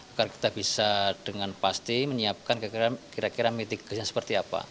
agar kita bisa dengan pasti menyiapkan kira kira mitigasi